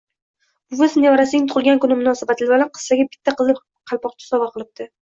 Buvisi nevarasining tugʻilgan kuni munosabati bilan qizchaga bitta qizil qalpoqcha sovgʻa qilibdi